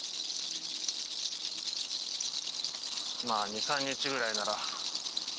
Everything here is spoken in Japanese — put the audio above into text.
まあ２３日ぐらいなら。